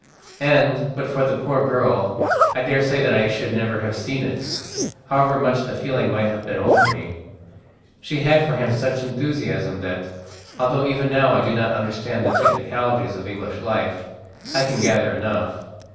And, but for the poor girl, I daresay that I should never have seen it, however much the feeling might have been over me. She had for him such enthusiasm that, although even now I do not understand the technicalities of English life, I can gather enough.